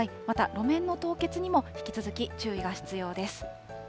また、路面の凍結にも引き続き注意が必要です。